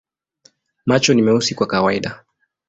Macho ni meusi kwa kawaida.